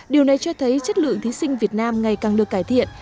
điều này cho thấy chất lượng thí sinh việt nam ngày càng được cải thiện